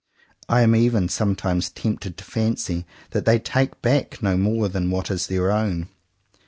I am even sometimes tempted to fancy that they take back no more than what is their own.